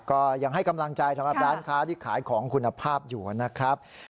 ก็ยังให้กำลังใจสำหรับร้านค้าที่ขายของคุณภาพอยู่นะครับ